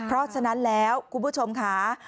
เพราะฉะนั้นแล้วคุณผู้ชมค่ะ